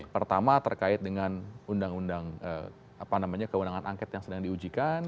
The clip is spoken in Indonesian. pertama terkait dengan undang undang apa namanya keundangan angket yang sedang diujikan